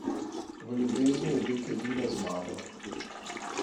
V ljubezni je beg edina zmaga.